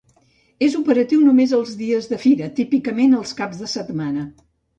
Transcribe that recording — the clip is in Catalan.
És operatiu només els dies de fira, típicament els caps de setmana.